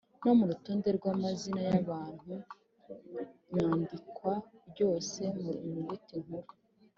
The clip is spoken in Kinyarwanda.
no mu rutonde rw‟amazina y‟abantu ryandikwa ryose mu nyuguti nkuru.